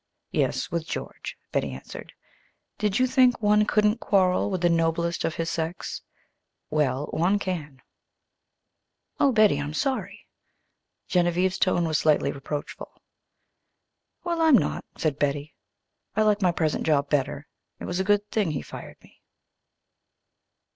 "Yes, with George," Betty answered. "Did you think one couldn't quarrel with the noblest of his sex? Well, one can." "Oh, Betty, I'm sorry." Genevieve's tone was slightly reproachful. "Well, I'm not," said Betty. "I like my present job better. It was a good thing he fired me."